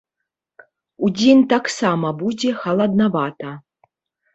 Удзень таксама будзе халаднавата.